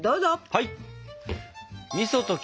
はい！